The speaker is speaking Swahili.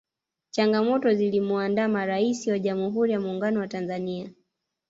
changamoto zilimuandama raisi wa jamuhuri ya muungano wa tanzania